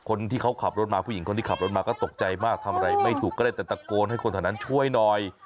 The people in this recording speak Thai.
คนที่เขาขับรถมาผู้หญิงคนที่ขับรถมาก็ตกใจมากทำอะไรไม่ถูกก็ได้แต่ตะโกนให้คนเท่านั้นช่วยหน่อย